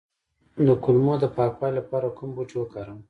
د کولمو د پاکوالي لپاره کوم بوټی وکاروم؟